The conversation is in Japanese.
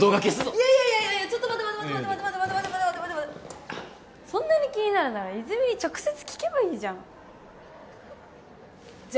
いやいやいやいやちょっと待って待って待ってそんなに気になるなら泉に直接聞けばいいじゃんじゃ！